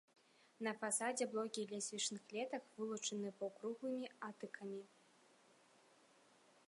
На фасадзе блокі лесвічных клетак вылучаны паўкруглымі атыкамі.